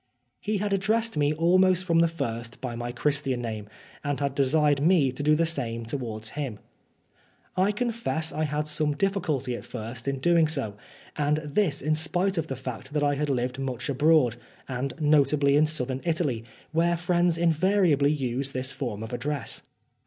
He had addressed me almost from the first by my Christian name, and had desired me to do the same towards him. 58 Oscar Wilde I confess I had some difficulty at first in doing so, and this in spite of the fact that I had lived much abroad, and notably in Southern Italy, where friends invariably use this form of address.